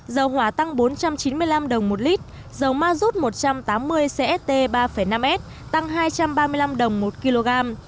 dầu hỏa tăng bốn trăm chín mươi năm đồng một lít dầu ma rút một trăm tám mươi cst ba năm s tăng hai trăm ba mươi năm đồng một kg